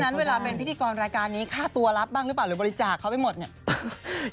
นั้นเวลาเป็นพิธีกรรายการนี้ค่าตัวรับบ้างหรือเปล่าหรือบริจาคเขาไปหมดเนี่ย